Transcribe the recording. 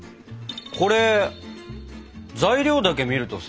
これ材料だけ見るとさ